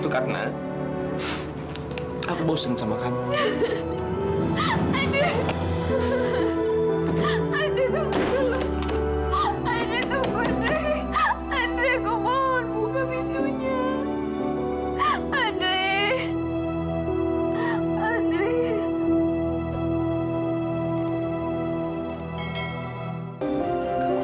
lara mau sama om gustaf